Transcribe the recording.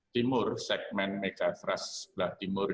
timur segmen megafrast sebelah timur